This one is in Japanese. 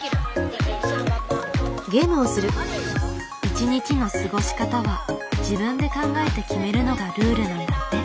一日の過ごし方は自分で考えて決めるのがルールなんだって。